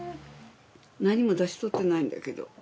何もダシとってないんだけど。